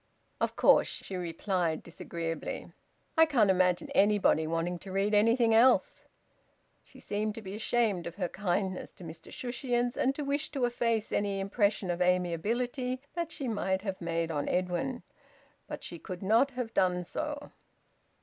"Of course," she replied disagreeably. "I can't imagine anybody wanting to read anything else." She seemed to be ashamed of her kindness to Mr Shushions, and to wish to efface any impression of amiability that she might have made on Edwin. But she could not have done so.